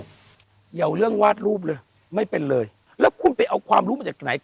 เอาเรื่องวาดรูปเลยไม่เป็นเลยแล้วคุณไปเอาความรู้มาจากไหน